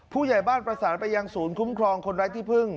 ผู้ใหญ่บ้านประสานไปยังศูนย์คุ้มครองคนไร้ที่พึ่ง